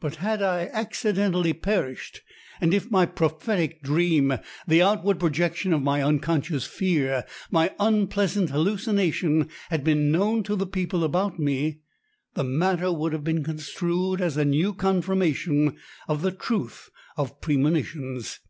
But had I accidentally perished, and if my prophetic dream the outward projection of my unconscious fear my unpleasant hallucination had been known to the people about me the matter would have been construed as a new confirmation of the truth of premonitions.